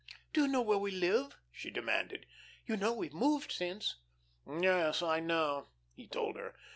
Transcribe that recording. "Do you know where we live?" she demanded. "You know we've moved since." "Yes, I know," he told her.